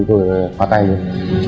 thì tôi khóa tay luôn